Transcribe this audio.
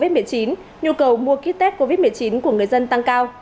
dịch bệnh covid một mươi chín nhu cầu mua ký test covid một mươi chín của người dân tăng cao